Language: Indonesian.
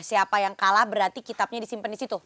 siapa yang kalah berarti kitabnya disimpan disitu